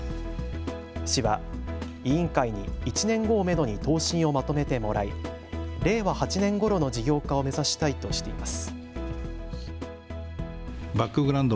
市は委員会に１年後をめどに答申をまとめてもらい令和８年ごろの事業化を目指したいとしています。